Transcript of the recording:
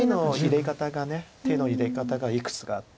手の入れ方がいくつかあって。